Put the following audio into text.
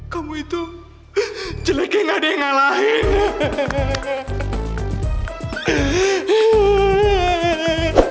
kamu itu jelek yang gak ada yang ngalahin